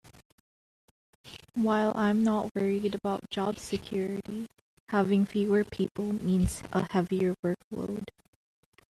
While I am not worried about job security, having fewer people means a heavier workload.